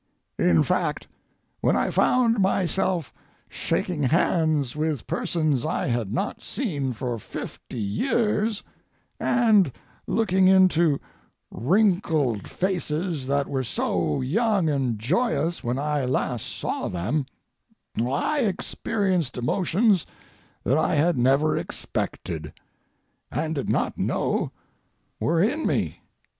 In fact, when I found myself shaking hands with persons I had not seen for fifty years and looking into wrinkled faces that were so young and joyous when I last saw them, I experienced emotions that I had never expected, and did not know were in me.